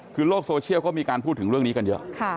คือโลกโซเชียลก็มีการพูดถึงเรื่องนี้กันเยอะ